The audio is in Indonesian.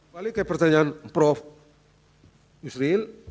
balik ke pertanyaan prof yusril